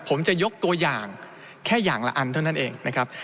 ผมจะยกตัวอย่างแค่อย่างละอันเท่านั้นเองนะครับ